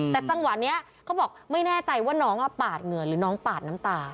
แต่จังหวะนี้เขาบอกไม่แน่ใจว่าน้องปาดเหงื่อหรือน้องปาดน้ำตา